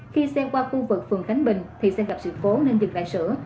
khi xe qua khu vực phường khánh bình thì xe gặp sự phố nên dịch lại sửa